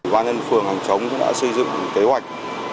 ban nhân phường hàng chống cũng đã xây dựng kế hoạch